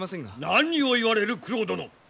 何を言われる九郎殿！